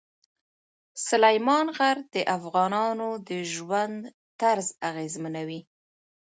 سلیمان غر د افغانانو د ژوند طرز اغېزمنوي.